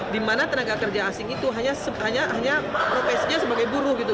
dimana tenaga kerja asing itu hanya profesinya sebagai buruh gitu